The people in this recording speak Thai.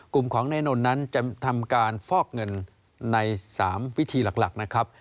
กลุ่มของนายนนท์นั้นจะทำการฟอกเงินใน๓วิธีหลักนะครับ